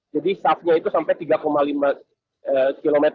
jadi safnya itu sampai tiga lima km